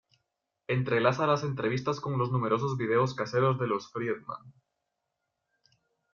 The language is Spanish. Entrelaza las entrevistas con los numerosos videos caseros de Los Friedman.